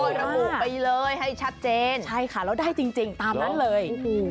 ระบุไปเลยให้ชัดเจนใช่ค่ะแล้วได้จริงตามนั้นเลย